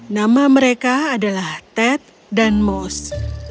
nama mereka adalah ted dan most